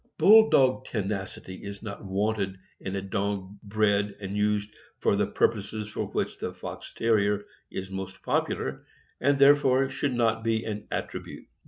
Bull dog tenacity is not wanted in a dog bred and used for the pur poses for which the Fox Terrier is most popular, and there fore should not be an attribute.